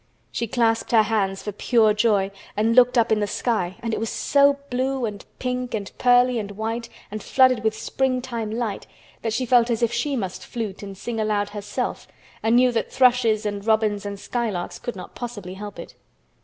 She clasped her hands for pure joy and looked up in the sky and it was so blue and pink and pearly and white and flooded with springtime light that she felt as if she must flute and sing aloud herself and knew that thrushes and robins and skylarks could not possibly help it.